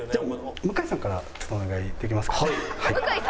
向井さんからちょっとお願いできますか？